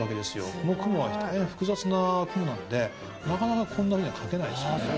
この雲は大変複雑な雲なんでなかなかこんな風には描けないですよ。